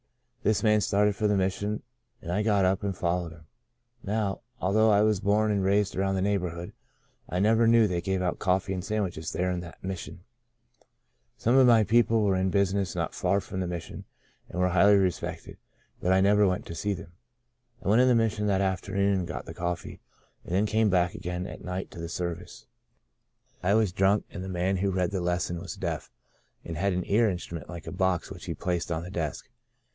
This man started for the Mission and I got up and fol lowed him. Now, although I was born and raised around the neighbourhood, I never knew they gave out coffee and sandwiches there in that Mission. Some of my people CHRISTOPHER J. BALF. " Out of Nazareth " 127 were in business not far from the Mission and were highly respected, but I never went to see them. I went in the Mission that afternoon and got the coffee, and then came back again at night to the service. I was drunk, and the man who read the lesson was deaf, and had an ear instrument like a box, which he placed on the desk.